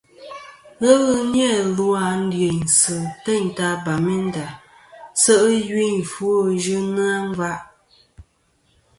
Ghelɨ ni-a lu a ndiynsɨ̀ teyn ta Bamenda se' i yuyn i ɨfwo yɨnɨ a ngva.